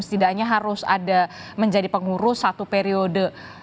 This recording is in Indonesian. setidaknya harus ada menjadi pengurus satu periode